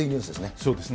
そうですね。